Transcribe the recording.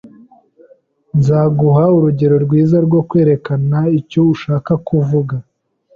Nzaguha urugero rwiza rwo kwerekana icyo nshaka kuvuga.